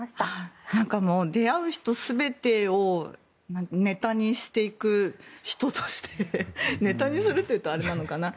出会う人全てをネタにしていく人としてネタにするというとあれなのかな。